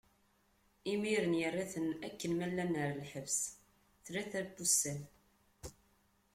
Imiren, irra-ten akken ma llan ɣer lḥebs, tlata n wussan.